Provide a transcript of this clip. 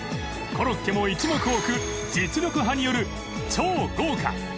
コロッケも一目置く実力派による超豪華！